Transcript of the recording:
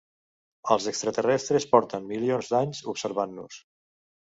Els extraterrestres porten milions d'anys observant-nos